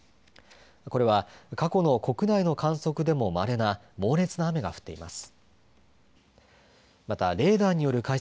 これは過去の国内の観測でもまれな猛烈な雨が降っています。